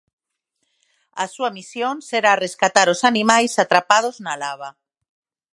A súa misión será rescatar os animais atrapados na lava.